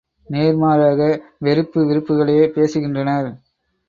நேர்மாறாக வெறுப்பு விருப்புகளையே பேசுகின்றனர்!